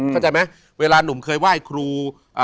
เข้าใจไหมเวลาหนุ่มเคยไหว้ครู